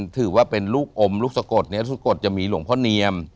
ถือว่าเป็นลูกอมลูกสะกดลูกสะกดจะมีหลวงพ่อเนียม